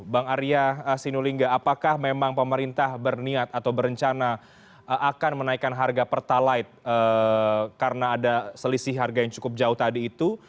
bang arya sinulinga apakah memang pemerintah berniat atau berencana akan menaikkan harga pertalite karena ada selisih harga yang cukup jauh tadi itu